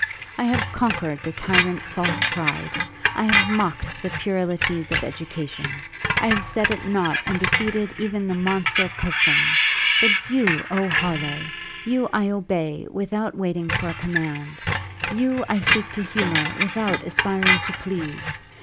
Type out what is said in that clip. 'I have conquered the tyrant false pride; I have mocked the puerilities of education; I have set at nought and defeated even the monster custom; but you, O Harleigh! you I obey, without waiting for a command; you, I seek to humour, without aspiring to please!